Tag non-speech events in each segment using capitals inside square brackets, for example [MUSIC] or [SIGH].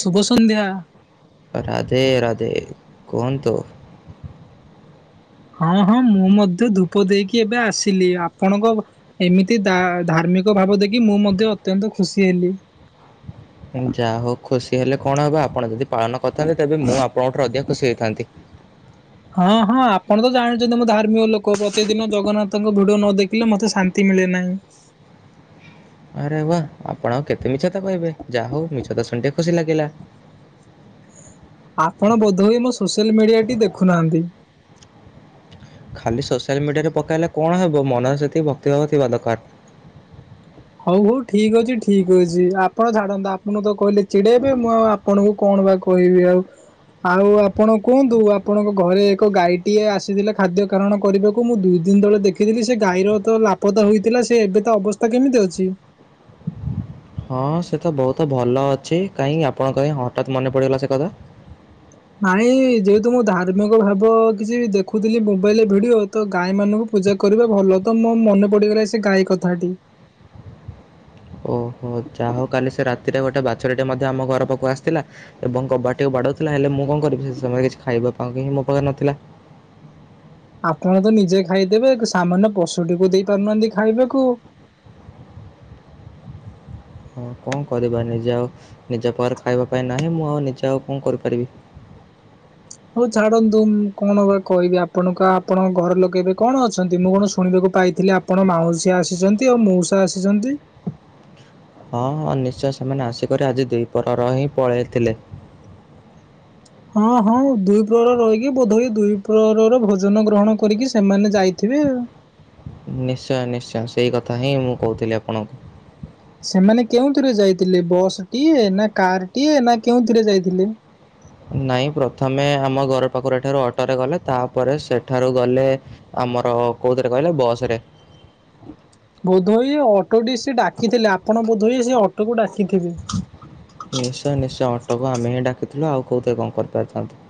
ଶୁଭ ସନ୍ଧ୍ୟା। ରାଧେ ରାଧେ କୁହନ୍ତୁ? ହଁ ହଁ ମୁଁ ମଧ୍ୟ ଧୂପ ଦେଇକି ଏବେ ଆସିଲି ଆପଣଙ୍କ ଏମିତି ଦା ଧାର୍ମିକ ଭାବ ଦେଖି ମୁଁ ମଧ୍ୟ ଅତ୍ୟନ୍ତ ଖୁସି ହେଲି। ଯାହା ହଉ ଖୁସି ହେଲେ କଣ ହବ ଆପଣ ଯଦି ପାଳନ କରିଥାନ୍ତେ ତେବେ ମୁଁ ଆପଣଙ୍କ ଠାରୁ ଅଧିକା ଖୁସି ହେଇଥାନ୍ତି। ହଁ ହଁ ଆପଣ ତ ଜାଣିଛନ୍ତି ମୋ ଧାର୍ମିକ ଲୋକ ପ୍ରତିଦିନ ଜଗନ୍ନାଥଙ୍କ ଭିଡିଓ ନ ଦେଖିଲେ ମତେ ଶାନ୍ତି ମିଳେ ନାହିଁ। ଆରେ ବା ଆପଣ କେତେ ମିଛକଥା କହିବେ ଯାହା ହଉ ମିଛ ତ ଶୁଣି ଟିକେ ଖୁସି ଲାଗିଲା। ଆପଣ ବୋଧହୁଏ ମୋ ସୋସିଆଲ ମିଡିଆଟି ଦେଖୁନାହାନ୍ତି? ଖାଲି ସୋସିଆଲ ମିଡିଆରେ ପକେଇଲେ କଣ ହେବ ମନରେ ସେତିି ଭକ୍ତିଭାଗ ଥିବା ଦରକାର। ହଉ ହଉ ଠିକ ଅଛି ଠିକ ଅଛି ଆପଣ ଛାଡନ୍ତୁ ଆପଣ ତ କହିଲେ ଚିଡେଇବେ ମୁଁ ଆପଣଙ୍କୁ ଆପଣଙ୍କୁ କଣ ବା କହିବି ଆଉ ଆଉ ଆପଣ କୁହନ୍ତୁ ଆପଣଙ୍କ ଘରେ ଏକ ଗାଈଟିଏ ଆସିଥିଲେ ଖାଦ୍ୟ ଗ୍ରହଣ କରିବାକୁ ମୁଁ ଦୁଇ ଦିନ ତଳେ ଦେଖିଥିଲି ସେ ଗାଈର ତ ଲାପତା ହେଇଥିଲା ସେ ଏବେ ତ ଅବସ୍ଥା କେମିତି ଅଛି? ହଁ ସେ ତ ବହୁତ ଭଲ ଅଛି କାହିଁକି ଆପଣଙ୍କ କ ହଠାତ୍ ମନେ ପଡ଼ିଗଲା ସେ କଥା। ନାଇଁ ଯେହେତୁ ମୁଁ ଧାର୍ମିକ ଭାବ କିଛି ଦେଖୁଥିଲି ମୋବାଇଲରେ ଭିଡିଓ ତ ଗାଈ ମାନଙ୍କୁ ପୂଜା କରିବା ଭଲ ତ ମୋ ମନେ ପଡିଗଲା ସେ ଗାଈ କଥାଟି। ହଉ ଯାହା ହଉ କାଲି ସେ ରାତିରେ ଗୋଟେ ବାଛୁରୀଟେ ମଧ୍ୟ ଆମ ଘର ପାଖକୁ ଆସିଥିଲା। ଏବଂ କବାଟକୁ ବାଡଉଥିଲା ହେଲେ ମୁଁ କଣ କରିବି ସେ ସମୟରେ କିଛି ଖାଇବା ପାଇଁ ହିଁ ମୋ ପାଖରେ ନଥିଲା। ଆପଣ ତ ନିଜେ ଖାଇଦେବେ ସାମାନ୍ୟ ପଶୁଟିକୁ ଦେଇ ପାରୁନାହାନ୍ତି ଖାଇବାକୁ। ହଁ କଣ କରିବା ନିଜେ ଆଉ ନିଜ ପରେ ଖାଇବା ପାଇଁ ନାହିଁ ମୁଁ ଆଉ ନିଜେ ଆଉ କଣ କରିପାରିବି? ହଉ ଛାଡନ୍ତୁ କଣ ବା କହିବି ଆପଣ ଙ୍କ ଆପଣଙ୍କ ଘର ଲୋକେ ଏବେ କଣ ଅଛନ୍ତି? ମୁଁ କଣ ଶୁଣିବାକୁ ପାଇଥିଲି ଆପ ଆପଣ ମାଉସୀ ଆସିଛନ୍ତି ଆଉ ମଉସା ଆସିଛନ୍ତି। ହଁ ହଁ ନିଶ୍ଚୟ ସେମାନେ ଆସିକରି ଆଜି ଦି ପ୍ରହର ରହି ପଳେଇଥିଲେ। ହଁ ହଁ ଦୁଇ ପ୍ରହର ରହିକି ବୋଧ ହୁଏ ଦୁଇ ପ୍ରହରର ଭୋଜନ ଗ୍ରହଣ କରିକି ସେମାନେ ଯାଇ ଥିବେ। ନିଶ୍ଚୟ ନିଶ୍ଚୟ ସେଇ କଥା ହିଁ ମୁଁ କହୁଥିଲି ଆପଣଙ୍କୁ। ସେମାନେ କେଉଁଥିରେ ଯାଇଥିଲେ ବସ୍ ଟିଏ ନା କାର ଟିଏ ନା କେଉଁଥିରେ ଯାଇଥିଲେ? ନାଇଁ ପ୍ରଥମେ ଆମ ଘର ପାଖରୁ ଏଠାରୁ ଅଟୋ ରେ ଗଲେ ତାପରେ ସେଠାରୁ ଗଲେ ଆମର କୋଉଥିରେ କହିଲ ବସରେ। ବୋଧହୁଏ ଅଟୋଟି ସେ ଡାକିଥିଲେ ଆପଣ ବୋଧହୁଇ ସେ ଅଟୋକୁ ଡାକିଥିବେ। ନିଶ୍ଚୟ ନିଶ୍ଚୟ ଅଟୋକୁ ଆମେ ହିଁ ଡାକଥିଲୁ ଆଉ କୋଉଥିରେ କଣ କରିପାରିଥାନ୍ତୁ?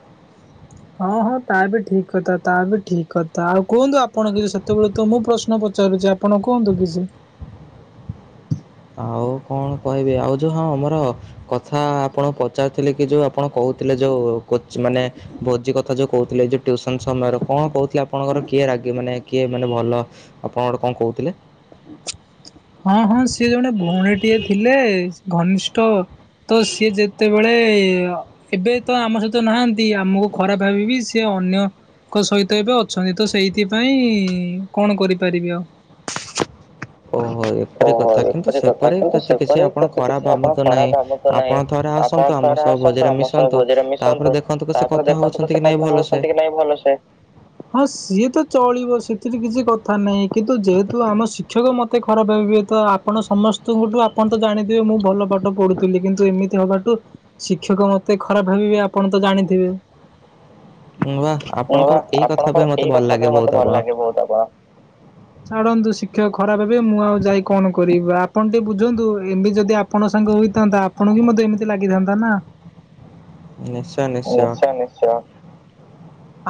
ହଁ ହଁ ତା ବି ଠିକ କଥା ତା ବି ଠିକ କଥା ଆଉ କୁହନ୍ତୁ ଆପଣ କି ସେତେବେଳେ ତ ମୁଁ ପ୍ରଶ୍ନ ପ୍ରଶ୍ନ ପଚାରୁଛି ଆପଣ କୁହନ୍ତୁ କିଛି? ହଉ କଣ କହିବି ଆଉ ଯହା ଆମର କଥା ଆପଣ ପଚାରୁଥିଲେ କି ଯୋଉ ଆପଣ କହୁଥିଲେ ଯୋଉ କୋଚ ମାନେ ଭୋଜି କଥା ଯୋଉ କହୁଥିଲେ ଯୋଉ ଟୁସନ ସମୟରେ କଣ କହୁଥିଲେ ଆପଣଙ୍କର କିଏ ରାଗେ ମାନେ କିଏ ମାନେ ଭଲ ଆପଣ ଗୋଟେ କଣ କହୁଥିଲେ? ହଁ ହଁ ସିଏ ଜଣେ ଭଉଣୀଟିଏ ଥିଲେ ଘନିଷ୍ଠ ତ ସିଏ ଯେତେବେଳେ ଅ ଏବେ ତ ଆମ ସହିତ ନାହାନ୍ତି, ଆମକୁ ଖରାପ ଭାବିବିି ସେ ଅନ୍ୟ ତାଙ୍କ ସହିତ ଏବେ ଅଛନ୍ତି। ତ ସେଇଥି ପାଇଁ କଣ କରିବି ଆଉ ଓହୋ ଏପରି ଓହୋ କଥା କିନ୍ତୁ [UNINTELLIGIBLE] ସେପରି ଆଗକୁ ସେତେ କିଛି ସେପରି ଆପଣ ସେମିତି ଖରାପ କିଛି ଆପଣ ଭାବନ୍ତୁ ଖରାପ ନାହିଁ। ଭାବନ୍ତୁ ନାହିଁ। ଆପଣ ଥରେ ହଁ ଆସନ୍ତୁ ଆମ ଥରେ ସହ ଆସନ୍ତୁ ଭୋଜିରେ ଆମ ସହ ମିଶନ୍ତୁ ଭୋଜିରେ ତାପରେ ମିଶନ୍ତୁ। ଦେଖନ୍ତୁ କି ସେ ତାପରେ କଥା ଦେଖନ୍ତୁ ହଉଛନ୍ତି କି ପଛେ ନାଇଁ କଥା ଭଲସେ। ହଉଛନ୍ତି କି ନାହିଁ ଭଲସେ। ହଁ ସିଏତ ଚଳିବ ସେଥିରେ କିଛି କଥା ନାହିଁ। କିନ୍ତୁ ଯେହେତୁ ଆମ ଶିକ୍ଷକ ମତେ ଖରା [UNINTELLIGIBLE] ଆପଣ ସମସ୍ତଙ୍କ ଠୁ ଆପଣ ତ ଜାଣିଥିବେ ମୁ ଭଲ ପାଠ ପଢୁଥିଲି, କିନ୍ତୁ ଏମିତି ହବାଠୁ ଶିକ୍ଷକ ମତେ ଖରାପ ଭାବିବେ ଆପଣ ତ ଜାଣିଥିବେ। ବାଃ ଉଁ ଆପଣଙ୍କର ଏଇ କଥା ପାଇଁ ଆପଣଙ୍କର ମତେ ଏଇ ଭଲ କଥା ଲାଗେ ପାଇଁ ବହୁତ ମତେ ଆପଣ। ଭଲଲାଗେ ବହୁତ ଆପଣ। ଛାଡ଼ନ୍ତୁ ଶିକ୍ଷକ ଖରାପ ଭାବିବେ ମୁଁ ଆଉ ଯାଇ କଣ କରିବି ବା ଆପଣ ଟିକେ ବୁଝନ୍ତୁ ଏମିତି ଯଦି ଆପଣଙ୍କ ସାଙ୍ଗ ହୋଇଥାନ୍ତା ଆପଣ ବି ମତେ ଏମିତି ଲାଗିଥାନ୍ତା ନା। ନିଶ୍ଚୟ ନିଶ୍ଚୟ।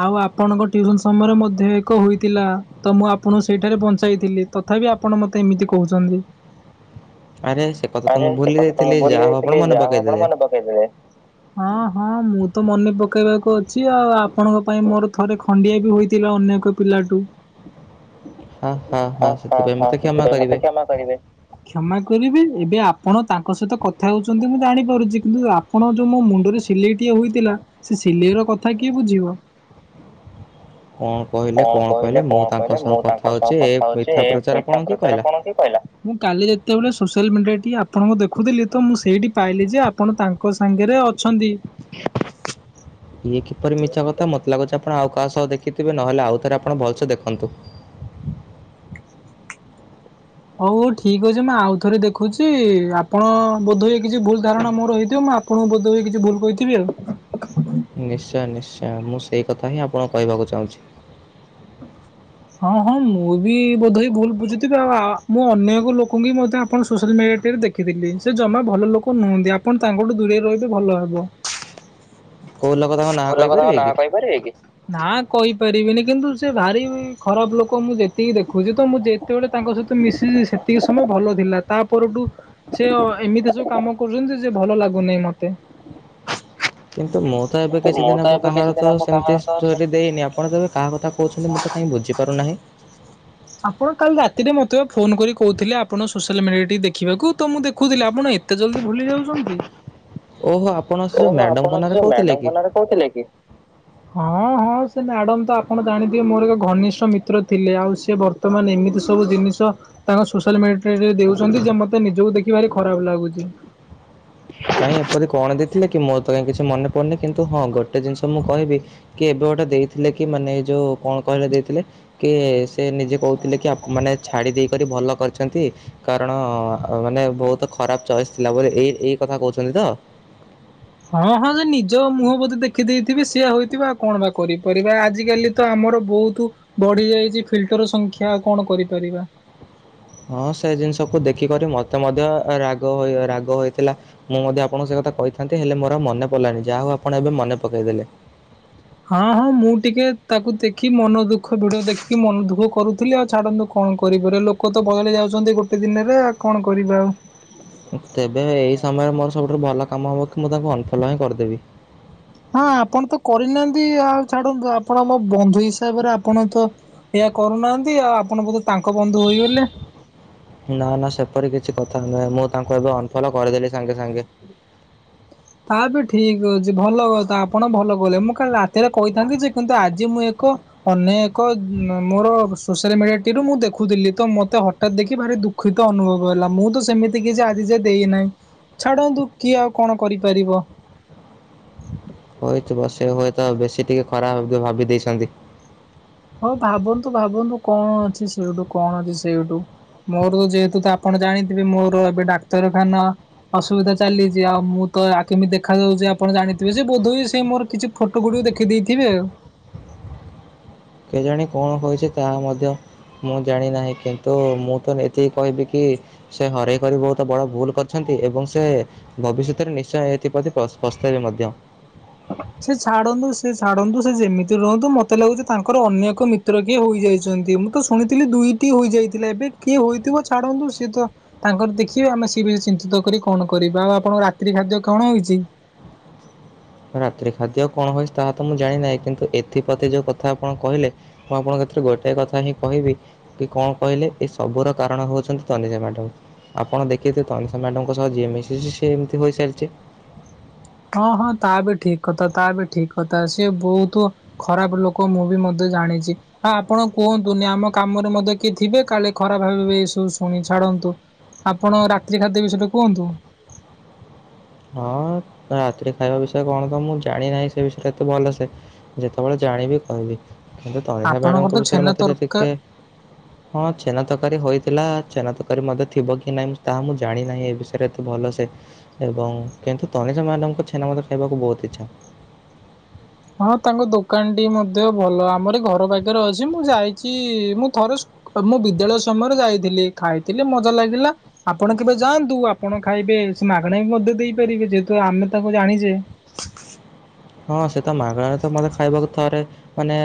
ଆଉ ଆପଣଙ୍କ ଟିଉସନରେ ମଧ୍ୟ ଏକ ହୋଇଥିଲା। ତ ମୁ ଆପଣଙ୍କୁ ସେଇଠାରେ ବଞ୍ଚାଇଥିଲି, ତଥାବି ଆପଣ ମ ମୋତେ ଏମିତି କହୁଛନ୍ତି। ଆରେ ସେ କଥା ତ ଆରେ ମୁଁ ସେ ଭୁଲି କଥା ତ ମୁଁ ଯାଇଥିଲି ଭୁଲି ଯାହା ହଉ ଆପଣ ଯାଇଥିଲି ମନେ ଯାହାହୋଉ ଆପଣ ପକେଇଦେଲେ। ମନେ ପକେଇ ଦେଲେ। ହଁ ହଁ ହଁ ମୁଁ ତ ମନେ ପକେଇବାକୁ ଅଛି। ଆଉ ଆପଣ ଙ୍କ ପାଇଁ ମୋର ଥରେ ଖଣ୍ତିଏ ବି ହୋଇଥିଲେ ଅନ୍ୟକ ପିଲାଠୁ ହଁ, ହଁ ହଁ ସେଥିପାଇଁ ମତେ କ୍ଷମା ମତେ କରିବେ। କ୍ଷମା କରିବେ। କ୍ଷମା କରିବେ, ଏବେ ଆପଣ ତାଙ୍କ ସହିତ କଥା ହଉଛନ୍ତି ମୁଁ ଜାଣିପାରୁଛି। କିନ୍ତୁ ଆ ଆପଣ ଯୋଉ ମୋ ମୁଣ୍ଡରେ ସିଲେଇ ଟିଏ ହୋଇଥିଲା। ସେ ସିଲେଇ କଥା କିଏ ବୁଝିବ? କଣ [INAUDIBLE] କହିଲେ କଣ କହିଲେ ମୁଁ କଣ ତାଙ୍କ କହିଲେ ସହ ମୁଁ କଥା ତାଙ୍କ ସହ ହଉଛି ଏ କଥା ହଉଛି ମିଥ୍ୟା ଏ ପ୍ରଚାର ପଇଠା ଆପଣଙ୍କୁ କର। କହିଲା? କିଏ କହିଲା? ମୁଁ କାଲି ଯେତେବେଳେ ସୋସିଆଲ ମିଡିଆରେ ଟିକେ ଆପଣଙ୍କୁ ଦେଖୁଥିଲି, ତ ମୁଁ ସେଇଠି ପାଇଲି ଯେ ଆପ ଆପଣ ତାଙ୍କ ସାଙ୍ଗରେ ଅଛନ୍ତି। ଇଏ କିପରି ମିଛା କଥା ମୋତେ ଲାଗୁଛି ଆପଣ ଆଉ କାହା ସହ ଦେଖିଥିବେ, ନହେଲେ ଆଉଥରେ ଆପଣ ଭଲସେ ଦେଖନ୍ତୁ। ହଉ ହଉ ଠିକ୍ ଅଛି ମୁ ଆଉ ଥରେ ଦେଖୁଛି। ଆପଣ ବୋଧ ହୁଏ କିଛି ଭୁଲ୍ ଧାରଣା ମୋର ହେଇଥିବ। ମୁ ଆପ ଆପଣଙ୍କୁ ବୋଧ ହୁଏ କିଛି ଭୁଲ କହିଥିବି ଆଉ। ନିଶ୍ଚୟ ନିଶ୍ଚୟ ମୁ ସେଇକଥା ହିଁ ଆପଣକୁ କହିବାକୁ ଚାହୁଁଛି। ହଁ ହଁ ମୁଁ ବି ବୋଧ୍ ହୁଏ ଭୁଲ୍ ବୁଝୁଥିବି, ଆ ଅନ୍ୟ ଏକ ଲୋକଙ୍କୁ ବି [UNINTELLIGIBLE] ସୋସିଆଲ ମିଡ଼ିଆରେ କେବେ ଦେ ଦେଖିଦେଇଛି, ସେ ଜମା ଭଲ ଲୋକ ନୁହନ୍ତି। ଆପଣ ତାଙ୍କଠୁ ଦୁରେଇ ରହିଲେ ଭଲ ହବ। କୋଉ ଲୋକ ତାଙ୍କ ନାଁ କୋଉ ଲୋକ? ତାଙ୍କ କହିପାରିବେ ନାଁ କି? କହିପାରିବେ କି? ନାଁ କହିପାରିବିନି କିନ୍ତୁ ସେ ଭାରି ଖରାପ ଲୋକ ମୁଁ ଯେତିକି ଦେଖୁଛି, ତ ମୁଁ ଯେତେବେଳେ ତାଙ୍କ ସହିତ ମିଶିଚି ସେତିକି ସମୟ ଭଲ ଥିଲା। ତା ପରଠୁ ସେ ଅ ଏମିତି ସବୁ କାମ କରୁଛନ୍ତି ଯେ ଭଲ ଲାଗୁନି ମତେ। କିନ୍ତୁ ମୁଁ ତ ଏବେ କିନ୍ତୁ କିଛି ମୁଁ ତ ଦିନ ହବ ଏବେ କିଛି କାହାର ଦିନ ତ ହବ କାହାର ସେମିତି ତ ଷ୍ଟୋରୀ ସେମିତି ଦେଇନି, ଆପଣ ତ ଏବେ କାହା କଥା କହୁଛନ୍ତି ମୁଁ ତ କାଇଁ ବୁଝି ପାରୁ ନାହିଁ। ଆପଣ କାଲି ରାତିରେ ମୋତେ ପା ଫୋନ କରି କହୁଥିଲେ, ଆପଣ ସୋସିଆଲ୍ ମିଡ଼ିଆରେ ଟିକେ ଦେଖିବାକୁ ତ ମୁଁ ଦେଖୁଥିଲି, ଆପଣ ଏ ଏତେ ଜଲଦି ଭୁଲି ଯାଉଛନ୍ତି, ଓହୋ ଆପଣ ସେ ଯୋଉ ଓହୋ ମ୍ୟାଡମଙ୍କ ଆପଣ ନାଁରେ ସେ କହୁଥିଲେ କି? ମ୍ୟାଡ଼ାମଙ୍କ ନାଁରେ କହୁଥିଲେ କି? ହଁ ହଁ ସେ ମ୍ୟାଡ଼ାମ୍ ତ ଆପଣ ଜାଣିଥିବେ ମୋର ଏବେ ଘନିଷ୍ଠ ମିତ୍ର ଥିଲେ। ଆଉ ସେ ସେ ବର୍ତ୍ତମାନ ଏମିତି ସବୁ ଜିନିଷ ତାଙ୍କ ସୋସିଆଲ ମିଡିଆରେ ଦେଉଛନ୍ତି, ଯେ ମତେ ନିଜକୁ ଦେଖି ଭାରି ଖରାପ ଲାଗୁଛି। କାଇଁ ଏପରି କଣ ଦେଇଥିଲେ କି? ମୋର ତ କାଇଁ କିଛି ମନେ ପଡୁନି, କିନ୍ତୁ ହଁ ଗୋଟେ ଜିନିଷ ମୁଁ କହିବି କି ଏବେ ଗୋଟେ ଦେଇଥିଲେ କି ମାନେ ଏ ଯୋଉ କଣ କହିଲ ଦେଇଥିଲେ? କିଏ, ସେ ନିଜେ କହୁଥିଲେ କି, ଆପଣ ମାନେ ଛାଡି ଦେଇକରି ଭଲ କରିଚନ୍ତି। କାରଣ ମାନେ, ବହୁତ ଖରାପ ଚଏସ୍ ଥିଲା ବୋଧେ ଏଇ ଏଇ କଥା କହୁଛନ୍ତି ତ? ହଁ, ହଁ, ସେ ନିଜ ମୁହଁ ବୋଧେ ଦେଖିଦେଇଥିବେ ସେଇଆ ହେଇଥିବ, ଆଉ କଣ ବା କରିପାରିବା? ଆଜିିକାଲି ତ ଆମର ବହୁତ ବଢି ଯାଇଚି ଫିଲ୍ଟର ସଂଖ୍ୟା, ଆଉ କଣ କରିପାରିବା? ହଁ, ସେ ଜିନିଷକୁୁ ଦେଖିକରି ମତେ ମଧ୍ୟ ରାଗ ରାଗ ହୋଇଥିଲା। ମୁଁ ମଧ୍ୟ ଆପଣଙ୍କୁ ସେ କଥା କହିଥାନ୍ତି, ହେଲେ ମୋର ଆଉ ମନେ ପଡିଲାନି, ଯାହାହେଉ ଆପଣ ଏବେ ମନେ ପକେଇ ଦେଲେ। ହଁ, ହଁ, ମୁଁ ଟିକେ ତାକୁ ଦେଖି ମନ ଦୁଃଖ ଭିଡିଓ ଦେଖିକି ମନ ଦୁଃଖ କରୁଥିଲି ଆଉ ଛାଡନ୍ତୁ କଣ କରିପାରିବା, ଲୋକ ତ ବଦଳି ଯାଉଚନ୍ତି ଗୋଟେ ଦିନେରେ, ଆଉ କଣ କରିବା ଆଉ? ତେବେ ଏଇ ସମୟରେ ମୋର ସବୁଠାରୁ ଭଲ କାମ ହବ କି, ମୁଁ ତାଙ୍କୁ ଅନଫଲ ହିଁ କରିଦେବି। ହଁ, ଆପଣ ତ କରିନାହାନ୍ତି, ଆଉ ଛାଡନ୍ତୁ, ଆପଣ ମୋ ବନ୍ଧୁ ହିସାବରେ ଆପଣ ତ ହେଇଆ କରୁନାହାନ୍ତି, ଆଉ ଆପଣ ବୋଧେ ତାଙ୍କ ବନ୍ଧୁ ହୋଇଗଲେ। ନା ନା, ସେପରି କିଛି କଥା ନୁହେଁ, ମୁଁ ତାଙ୍କୁ ଏବେ ଅନଫଲ କରିଦେଲି ସାଙ୍ଗେ ସାଙ୍ଗେ। ତା ବି ଠିକ ଅଛି, ଭଲ କଥା, ଆପଣ ଭଲ କହିଲେ, ମୁଁ କାଲି ରାତିରେ କହିଥାନ୍ତି ଯେ କିନ୍ତୁ ଆଜି ମୁଁ ଏକ ଅନ୍ୟ ଏକ ମୋର ସୋସିଆଲ ମିଡିଆ ଟି ରୁ ମୁଁ ଦେଖୁଥିଲି, ତ ମତେ ହ ଟା ଦେଖି ଭାରି ଦୁଃଖିତ ଅନୁଭବ ହେଲା, ମୁଁ ତ ସେମିତି କିଛି ଆଜି ଯାଏଁ ଦେଇନାହିଁ। ଛାଡନ୍ତୁ କିଏ ଆଉ କଣ କରିପାରିବ? ହଉଥିବ, ସେ ହୁଏତ ବେଶୀ ଟିକେ ଖରାପ ଭାବି ଦେଇଚନ୍ତି। ହଁ ଭାବନ୍ତୁ, ଭାବନ୍ତୁ, କଣ ଅଛି ସେଠୁ, କଣ ଅଛି ସେଇଠୁ? ମୋର ତ ଯେହେତୁ ତ ଆପଣ ଜାଣିଥିବେ, ମୋର ଏବେ ଡାକ୍ତରଖାନା ଅସୁବିଧା ଚାଲିଚି, ଆଉ ମୁଁ ତ ଆ କେମିତି ଦେଖାଯାଉଛି ଆପଣ ଜାଣିଥିବେ? ସେ ବୋଧ ବି ସେ ମୋର କିଛି ଫଟୋ ଗୁଡିକୁ ଦେଖି ଦେଇଥିବେ ଆଉ। କେଜାଣି କଣ କହିଚି, ତାହା ମଧ୍ୟ ମୁଁ ଜାଣିନାହିଁ, କିନ୍ତୁ ମୁଁ ତ ଏତିକି କହିବି କି ସେ ହରେଇ କରି ବହୁତ ବଡ ଭୁଲ କରିଚନ୍ତି ଏବଂ ସେ ଭବିଷ୍ୟତରେ ନିଶ୍ଚୟ ଏଥିପ୍ରତି ପସ୍ତ ପସ୍ତେଇବେ ମଧ୍ୟ। ସେ ଛାଡନ୍ତୁ, ସେ ଛାଡନ୍ତୁ, ସେ ଯେମିତି ରୁହନ୍ତୁ, ମତେ ଲାଗୁଛି ତାଙ୍କର ଅନ୍ୟ ଏକ ମି ମିତ୍ର କିଏ ହୋଇଯାଇଚନ୍ତି, ମୁଁ ତ ଶୁଣିଥିଲି ଦୁଇଟି ହୋଇଯାଇଥିଲା, ଏବେ କିଏ ହୋଇଥିବ ଛାଡ଼ନ୍ତୁ ସିଏ ତ ତାଙ୍କର ଦେଖିବେ, ଆମେ ସେ ବିଷୟ ଚିନ୍ତିତ କରି କଣ କରିବା, ଆଉ ଆପଣଙ୍କ ରାତ୍ରି ଖାଦ୍ୟ କଣ ହେଇଚି? ରାତି ଖାଦ୍ୟ କଣ ହୋଇଚି ତାହା ତ ମୁଁ ଜାଣି ନାହିଁ କିନ୍ତୁ ଏଥିପ୍ରତି ଯୋଉ କଥା ଆପଣ କହିଲେ ମୁଁ ଆପଣଙ୍କ ଏଥିରେ ଗୋଟେ କଥା ହିଁ କହିବି କି କଣ କହିଲେ, ଏ ସବୁର କାରଣ ହଉଚନ୍ତି ତନିଜା ମ୍ୟାଡ଼ମ। ଆପଣ ଦେଖିଥେବେ, ତନିଷା ମ୍ୟାଡ଼ମ୍ ଙ୍କ ସହ ଯିଏ ମିଶିଛି, ସିଏ ଏମିତି ହୋଇଚାଲିଚି। ହଁ, ହଁ, ତା ବି ଠିକ କଥା, ତା ବି ଠିକ କଥା, ସିଏ ବହୁତ ଖରାପ ଲୋକ, ମୁଁ ବି ମଧ୍ୟ ଜାଣିଚି। ହ, ଆପଣ କୁହନ୍ତୁନି, ଆମ କାମରେ ମଧ୍ୟ କିଏ ଥିବେ, କାଳେ ଖରାପ ଭାବିବେ ଏ ସବୁ ଶୁଣି, ଛାଡନ୍ତୁ। ଆପଣ ରାତ୍ରି ଖାଦ୍ୟ ବିଷୟରେ କୁହନ୍ତୁ? ହଁ। ରାତିରେ ଖାଇବା ବିଷୟ କଣ ତ ମୁଁ ଜାଣି ନାହିଁ ସେ ବିଷୟରେ ଏତେ ଭଲ ସେ, ଯେତେବେଳେ ଜାଣିବି କହିବି। କିନ୍ତୁ ତନିଷା ଆପଣଙ୍କର ତ ମ୍ୟାଡମଙ୍କ ବିଷୟରେ ଛେନା ମତେ ଯେ ତରକା ଟିକେ [UNINTELLIGIBLE] ହଁ ଛେନା ତରକାରୀ ହୋଇଥିଲା, ଛେନା ତରକାରୀ ମଧ୍ୟ ଥିବ କି ନାଇଁ ତାହା ମୁଁ ଜାଣି ନାହିଁ ଏ ବିଷୟରେ ଏତେ ଭଲ ସେ। ଏବଂ କିନ୍ତୁ ତନିଷା ମ୍ୟାଡାମ ଙ୍କ ଛେନା ମତେ ଖାଇବାକୁ ବହୁତ ଇଛା। ହଁ, ତାଙ୍କ ଦୋକାନ ଟି ମଧ୍ୟ ଭଲ, ଆମରି ଘର ପାଖରେ ଅଛି, ମୁଁ ଯାଇଚି ମୁଁ ଥରେ ମୁଁ ବିଦ୍ୟାଳୟ ସମୟରେ ଯାଇଥିଲି, ଖାଇଥିଲି ମଜା ଲାଗିଲା। ଆପଣ କେବେ ଯାଆନ୍ତୁ, ଆପଣ ଖାଇବେ, ସେ ମାଗଣା ବି ମଧ୍ୟ ଦେଇପାରିବେ, ଯେହେତୁ ଆମେ ତାକୁ ଜାଣିଚେ। ହଁ ସେତ ମାଗଣାରେତ ମତେ ଖାଇବାକୁ ଥରେ ମାନେ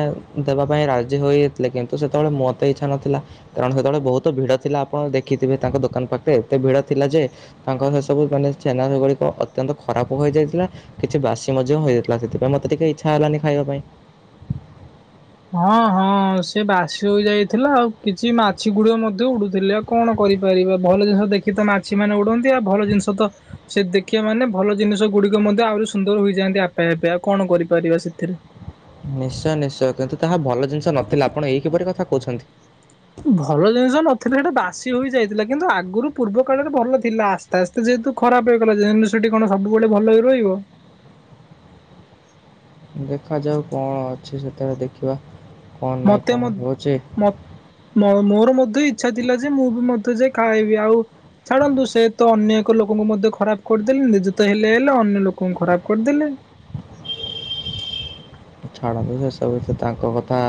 ଦେବା ପାଇଁ ରାଜି ହୋଇଯାଇଥିଲେ କିନ୍ତୁ ସେତେବେଳେ ମୋତେ ଇଚ୍ଛା ନଥିଲା କାରଣ ସେତେବେଳେ ବହୁତ୍ ଭିଡ଼ ଥିଲା ଆପଣ ଦେଖିଥିବେ ତାଙ୍କ ଦୋକାନ ପାଖରେ ଏତେ ଭିଡ଼ ଥିଲା ଯେ ତାଙ୍କର ସେ ସବୁ ମାନେ ଛେନା ସେଗୁଡ଼ିକ ଅତ୍ୟନ୍ତ ଖରାପ୍ ହେଯାଇଥିଲା କିଛି ବାସି ମଧ୍ୟ ହୋଯାଇ ଥିଲା ସେଥିପାଇଁ ମତେ ଟିକେ ଇଚ୍ଛା ହେଲାନି ଖାଇବା ପାଇଁ। ହଁ ହଁ ସେ ବାସି ହୋଇ ଯାଇଥିଲା ଆଉ କିଛି ମାଛି ଗୁଡ଼ୁ ମଧ୍ୟ ଉଡୁଥିଲେ। କଣ କରିପାରିବା ଭଲ ଜିନିଷ ଦେଖିତ ମାଛି ମାନେ ଉଡ଼ନ୍ତି ଆଉ ଭଲ ଜିନିଷତ ସେ ଦେଖିବା ମାନେ ଭଲ ଜିନିଷ ଗୁଡ଼ିକ ଆହୁରି ମଧ୍ୟ ଆହୁରି ସୁନ୍ଦର ହୋଇଯାଆନ୍ତି ଆପେ ଆପେ ଆଉ କଣ କରିପାରିବା ସେଥିରେ। ନିଶ୍ଚୟ ନିଶ୍ଚୟ କିନ୍ତୁ ତାହା ଭଲ ଜିନିଷ ନଥିଲା ଆପଣ ଏଇ କିପରି କଥା କହୁଛନ୍ତି। ଭଲ ଜିନିଷ ନଥିଲେ ସେଇଟା ବାସି ହୋଇ ଯାଇଥିଲା କିନ୍ତୁ ଆଗରୁ ପୂର୍ବ କାଳରେ ଭଲ ଥିଲା ତାସେ ଯେହେତୁ ଖରାପ୍ ହେଇଗଲା ଜିନିଷଟି କଣ ସବୁବେଳେ ଭଲରେ ରହିବ। ଦେଖାଯାଉ କଣ ଅଛି ସେଥିରେ ଦେଖିବା। କଣ ନାହିଁ ମତେ କଣ ମ ହେଉଛି। ମୋ ମୋର ମଧ୍ୟ ଇଚ୍ଛା ଥିଲାଯେ ମୁଁବି ମଧ୍ୟ ଯାଇ କାଇବି ଆଉ ଛାଡ଼ନ୍ତୁ ସେତ ଅନ୍ୟ ଏକ ଲୋକଙ୍କୁ ମଧ୍ୟ ଖରାପ୍ କରିଦେଲେ ନିଯେତ ହେଲେ ହେଲେ ଅନ୍ୟ ଲୋକଙ୍କୁ ଖରାପ କରିଦେଲେ ଛାଡ଼ବି ସବୁତ ତାଙ୍କ କଥା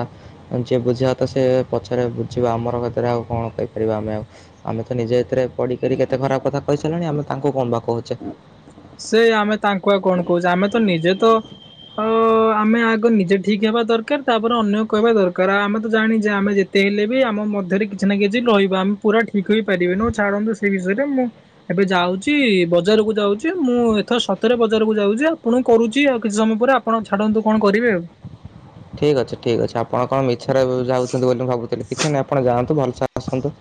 ଯିଏ ବୁଝିବାତ ସେ ପଛରେ ବୁଝିବା ଆମର ହେଥିରେ ଆଉ କଣ କରିପାରିବା ଆମେ ଆଉ ଆମେତ ନିଜେ ଏଥିରେ ପଡ଼ିକରି କେତେ ଖରାପ୍ କଥା କହି ସାରିଲାଣି ଆମେ ତାଙ୍କୁ କଣବା କହୁଚେ ସେ ଆମେ ତାଙ୍କୁ ଆଉ କଣ କହୁଚେ ଆମେତ ନିଜେ ତ ଆଉ ଆମେ ଆଗ ନିଜେ ଠିକ୍ ହେବା ଦରକାର ତାପରେ ଅନ୍ୟ କହିବା ଦରକାର ଆମେତ ଜାଣିଚେ ଆମେ ଯେ ତେ ହେଲେବି ଆମ ମଧ୍ୟରେ କିଛିନା କିଛି ରହିବା ଆମେ ପୁରା ଠିକ୍ ହେଇପାରିବେନି ଛାଡ଼ନ୍ତୁ ସେ ବିଷୟରେ ମୁଁ ଏବେ ଯାଉଚି ବଜାରକୁୁ ଯାଉଚି ମୁଁ ଏଥର ସତର ବଜାରକୁ ଯାଉଚି ଆପଣଙ୍କୁ କରୁଚି ଆଉ କିଛି ସମୟ ପରେ ଆପଣ ଛାଡ଼ନ୍ତୁ କଣ କରିବେ ଆଉ। ଠିକ୍ ଅଛି ଠିକ୍ ଅଛି ଆପଣ କଣ ମିଛରେ ଯାଉଚନ୍ତି ବୋଲି ମୁଁ ଭାବୁଥିଲି କିଛି ନାହିଁ ଆପଣ ଯାଆନ୍ତୁ ଭଲସେ ଆସନ୍ତୁ‌।